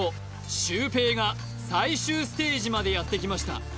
シュウペイが最終ステージまでやってきました